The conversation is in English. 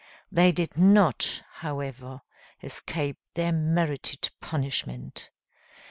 They did not, however, escape their merited punishment.